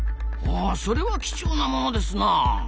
それは貴重な物ですなあ。